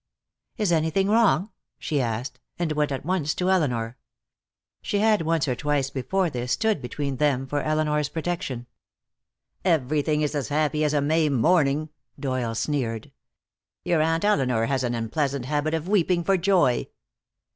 "Is anything wrong?" she asked, and went at once to Elinor. She had once or twice before this stood between them for Elinor's protection. "Everything is as happy as a May morning," Doyle sneered. "Your Aunt Elinor has an unpleasant habit of weeping for joy."